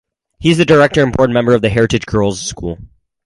He is the director and board member of Heritage Girls School.